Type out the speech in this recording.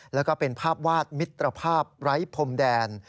แล้วก็เป็นภาพวาดมิตรภาพไร้พรมแดน